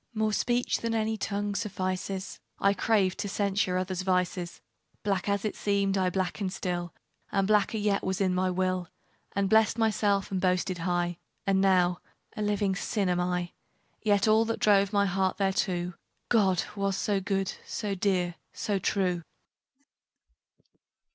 More speech than any tongue suffices I craved, to censure others' vices. Black as it seemed, I blackened still, And blacker yet was in my will; And blessed myself, and boasted high, And now a living sin am I! Yet all that drove my heart thereto, God! was so good, so dear, so true!